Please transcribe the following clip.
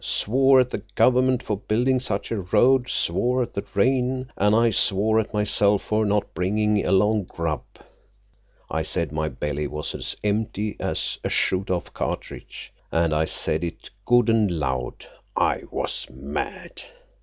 Swore at the Government for building such a road, swore at the rain, an' I swore at myself for not bringin' along grub. I said my belly was as empty as a shot off cartridge, and I said it good an' loud. I was mad.